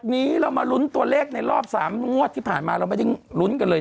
วันนี้เรามาลุ้นตัวเลขในรอบ๓งวดที่ผ่านมาเราไม่ได้ลุ้นกันเลย